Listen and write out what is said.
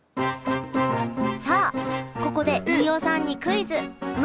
さあここで飯尾さんにクイズ何！？